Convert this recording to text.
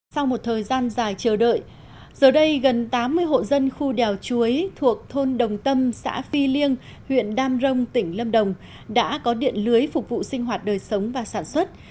sau một thời gian dài chờ đợi giờ đây gần tám mươi hộ dân khu đèo chuối thuộc thôn đồng tâm xã phi liêng huyện đam rông tỉnh lâm đồng đã có điện lưới phục vụ sinh hoạt đời sống và sản xuất